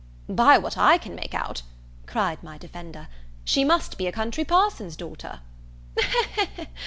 "By what I can make out," cried my defender, "she must be a country parson's daughter."